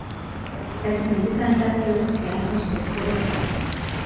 la simiente santa ha sido mezclada con los pueblos de las tierras